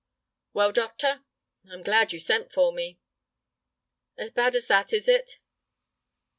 "Well, doctor?" "I'm glad you sent for me." "As bad as that, is it?"